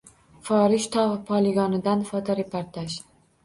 “Forish” tog‘ poligonidan fotoreportaj